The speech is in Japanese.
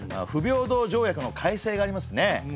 不平等条約の改正がありますね。